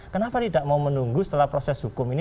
kenapa tidak mau menunggu setelah proses hukum ini